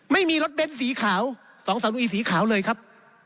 ไม่มีรถเบนสีขาวสองสามหนุ่มอีกสีขาวเลยครับ